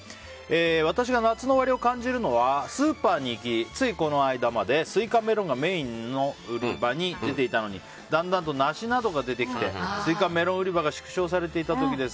私が夏の終わりを感じるのはスーパーに行き、ついこの間までスイカ、メロンがメインの売り場に出ていたのにだんだんとナシなどが出てきてスイカ、メロン売り場が縮小されていた時です。